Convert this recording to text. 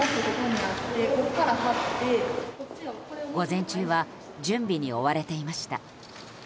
午前中は準備に追われていました。